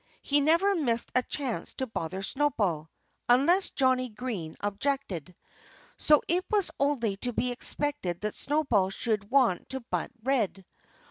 He never missed a chance to bother Snowball unless Johnnie Green objected. So it was only to be expected that Snowball should want to butt Red.